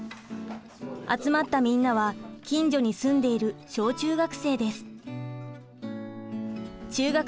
集まったみんなは近所に住んでいる小中学生です。